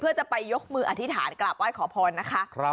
เพื่อจะไปยกมืออธิษฐานกราบไหว้ขอพรนะคะ